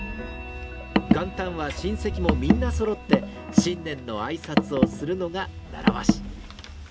元旦は親戚もみんなそろって新年のあいさつをするのが習わし。